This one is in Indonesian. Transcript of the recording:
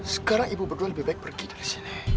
sekarang ibu berdua lebih baik pergi ke sini